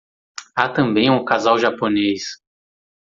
Há também um casal japonês